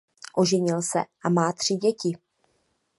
Oženil se a má tři děti.